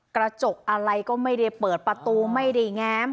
กระจกอะไรก็ไม่ได้เปิดประตูไม่ได้แง้ม